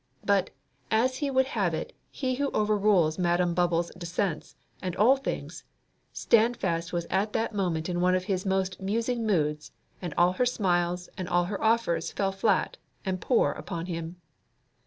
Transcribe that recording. But, as He would have it who overrules Madam Bubble's descents, and all things, Standfast was at that moment in one of his most musing moods, and all her smiles and all her offers fell flat and poor upon him.